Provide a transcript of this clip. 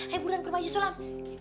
ayo buruan ke rumah aji sulam